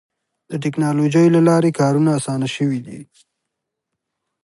د ټکنالوجۍ له لارې کارونه اسانه شوي دي.